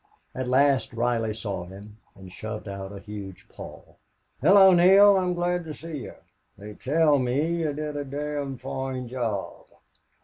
At last Reilly saw him and shoved out a huge paw. "Hullo, Neale! I'm glad to see ye.... They tell me ye did a dom' foine job."